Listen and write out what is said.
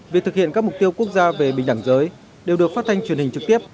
việc thực hiện các mục tiêu quốc gia về bình đẳng giới đều được phát thanh truyền hình trực tiếp